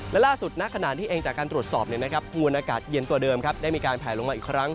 และล่าสุดณขณะนี้เองจากการตรวจสอบมวลอากาศเย็นตัวเดิมได้มีการแผลลงมาอีกครั้ง